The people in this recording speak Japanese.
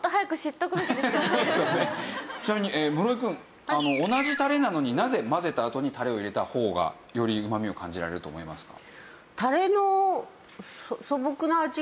ちなみに室井くん同じタレなのになぜ混ぜたあとにタレを入れた方がより旨味を感じられると思いますか？